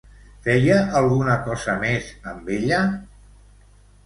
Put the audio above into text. Feia alguna cosa més amb ella?